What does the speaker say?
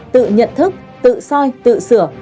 tự nhận thức tự soi tự sửa